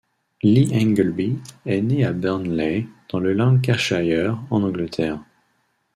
Lee Ingleby est né à Burnley dans le Lancashire, en Angleterre.